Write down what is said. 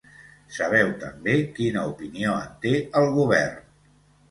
Sabeu també quina opinió en té el govern.